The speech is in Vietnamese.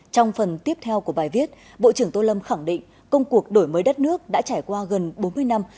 trong phần tiếp theo của bài viết bộ trưởng tô lâm khẳng định công cuộc đổi mới đất nước đã trải qua gần bốn mươi năm